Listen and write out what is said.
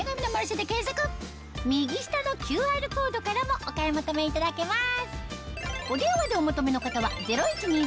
右下のＱＲコードからもお買い求めいただけます